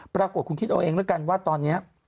ปรากฏคุณคิดเอาเองแล้วกันว่าตอนนี้